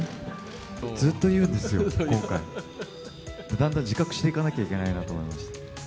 ずっと言うんですよ、今回、だんだん自覚していかなきゃいけないなと思いました。